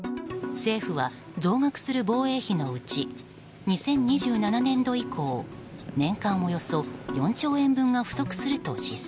政府は、増額する防衛費のうち２０２７年度以降年間およそ４兆円分が不足すると試算。